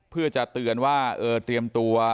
เพื่อจะเตือนว่าเตรียมตัว